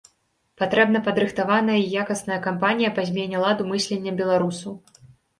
Патрэбна падрыхтаваная і якасная кампанія па змене ладу мыслення беларусаў.